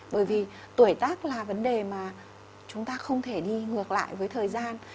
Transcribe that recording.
bởi vì tuổi tác là vấn đề mà chúng ta không thể đi ngược lại với thời gian